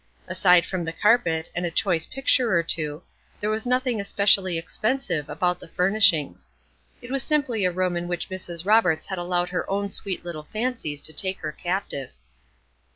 Aside from the carpet, and a choice picture or two, there was nothing especially expensive about the furnishings. It was simply a room in which Mrs. Roberts had allowed her own sweet little fancies to take her captive.